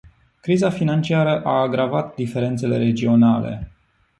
Criza financiară a agravat diferențele regionale.